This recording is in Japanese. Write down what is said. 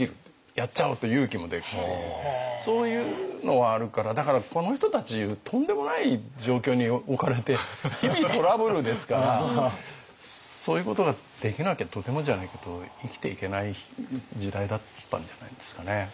やっちゃおうと勇気も出るっていうそういうのはあるからだからこの人たちとんでもない状況に置かれて日々トラブルですからそういうことができなきゃとてもじゃないけど生きていけない時代だったんじゃないんですかね。